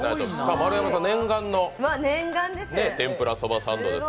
丸山さん、念願の天ぷら蕎麦サンドです。